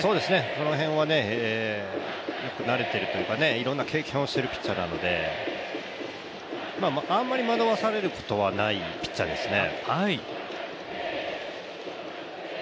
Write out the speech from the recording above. その辺はねよく慣れているというかいろんな経験をしているピッチャーなので、あんまり惑わされることはないピッチャーですね。